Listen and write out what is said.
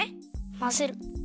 まぜる。